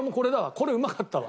これうまかったわ。